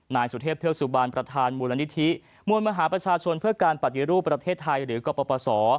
นายสุเทพเทือกสุบันประธานมูลนิธิมวลมหาประชาชนเพื่อการปฏิรูปประเทศไทยหรือกรปศ